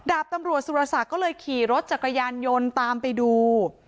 ดาบตำรวจสุรศักดิ์ก็เลยขี่รถจักรยานยนต์ตามไปดู